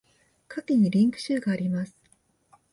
下記にリンク集があります。